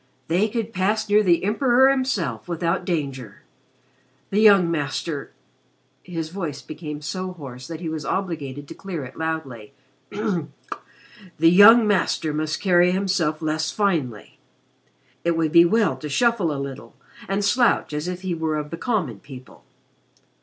"They could pass near the Emperor himself without danger. The young Master " his voice became so hoarse that he was obligated to clear it loudly "the young Master must carry himself less finely. It would be well to shuffle a little and slouch as if he were of the common people."